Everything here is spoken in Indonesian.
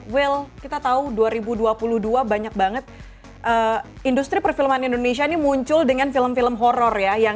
will kita tahu dua ribu dua puluh dua banyak banget industri perfilman indonesia ini muncul dengan film film horror ya